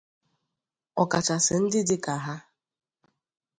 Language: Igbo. ọkachasị ndị dị ka ha